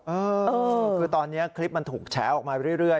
เออคือตอนนี้คลิปมันถูกแฉออกมาเรื่อย